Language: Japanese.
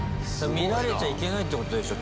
見られちゃいけないってことでしょ